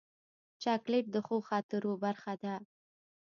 چاکلېټ د ښو خاطرو برخه ده.